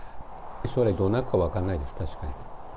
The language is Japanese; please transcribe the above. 将来どうなるか分からないです、確かに。